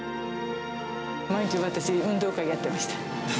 毎日、私、運動会やってました。